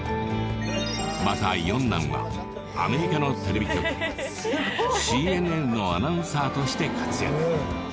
また四男はアメリカのテレビ局ＣＮＮのアナウンサーとして活躍